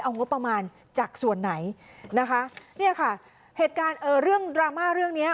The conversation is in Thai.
เอางบประมาณจากส่วนไหนนะคะเนี่ยค่ะเหตุการณ์เอ่อเรื่องดราม่าเรื่องเนี้ย